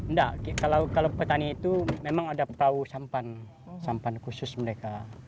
enggak kalau petani itu memang ada perahu sampan khusus mereka